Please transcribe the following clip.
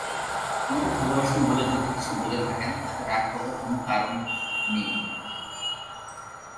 তোমাকে ভালোবাসেন বলে যদি কিছু বলে থাকেন তাতে রাগ করাবার কোনো কারণ কনই।